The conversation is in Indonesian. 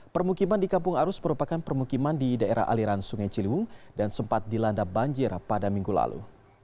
permukiman di kampung arus merupakan permukiman di daerah aliran sungai ciliwung dan sempat dilanda banjir pada minggu lalu